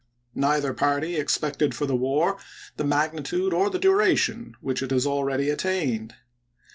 Neither party expected for the war the magnitude or the duration which it has already attained.